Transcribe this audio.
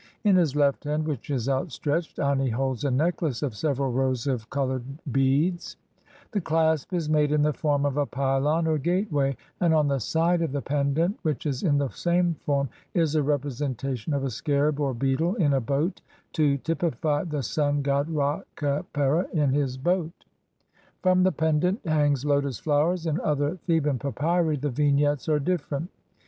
In his left hand, which is outstretched, Ani holds a necklace of several rows of co loured beads ; the clasp is made in the form of a pylon or gateway, and on the side of the pendant, which is in the same form, is a representation of a scarab or beetle in a boat to typify the Sun god Ra Khepera in his boat. From the pendant hang lotus flowers. In other Thcban papyri the vignettes are different.